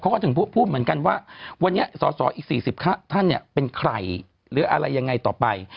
ถึงพูดเหมือนกันว่าวันนี้สอสออีก๔๐ท่านเนี่ยเป็นใครหรืออะไรยังไงต่อไป